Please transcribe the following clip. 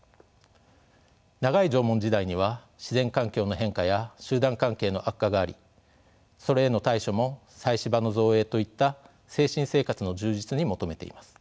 長い縄文時代には自然環境の変化や集団関係の悪化がありそれへの対処も祭祀場の造営といった精神生活の充実に求めています。